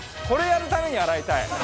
これやるために洗いたい。